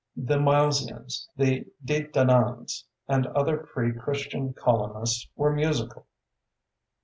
The Milesians, the De Dananns, and other pre Christian colonists were musical.